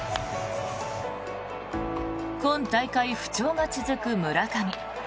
今大会、不調が続く村上。